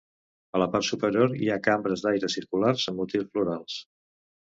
A la part superior hi ha cambres d'aire circulars amb motius florals.